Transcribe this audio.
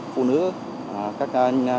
phụ nữ các